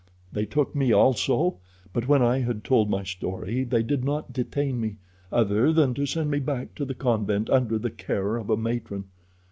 They took me also, but when I had told my story they did not detain me, other than to send me back to the convent under the care of a matron.